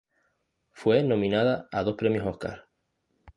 Fue nominada a dos Premios Óscar.